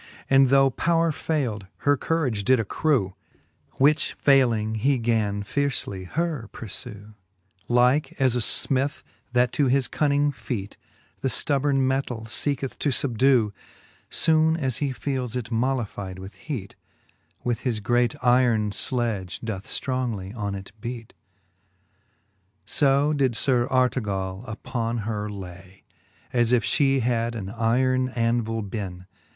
And though powre faild, her courage did accrew. Which fayling, he gan fiercely her purfew. Like as a finith, that to his cunning featj The ftubborn metall feeketh to fubdew, Soone as he feeles it mollifide with heat, With his great yron fledge doth ftrongly on it beat ; VIII. So did Sir Artegall upon her lay, > As if flie had an yron andvile beenc.